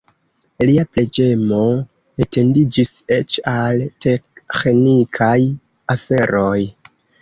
Lia preĝemo etendiĝis eĉ al teĥnikaj aferoj.